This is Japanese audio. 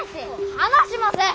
離しません！